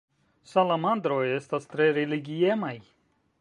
Salamandroj estas tre religiemaj.